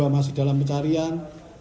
dua masih dalam pencarian